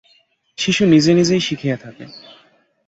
শিশু নিজে নিজেই শিখিয়া থাকে।